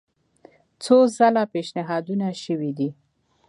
څو ځله پېشنهادونه شوي دي.